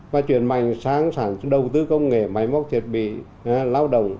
và chuyển mạnh sản xuất đầu tư công nghệ máy móc thiết bị lao động